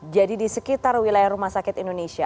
jadi di sekitar wilayah rumah sakit indonesia